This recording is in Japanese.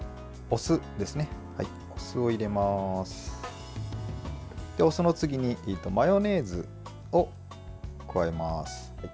お酢の次にマヨネーズを加えます。